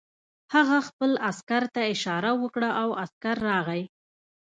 هغه خپل عسکر ته اشاره وکړه او عسکر راغی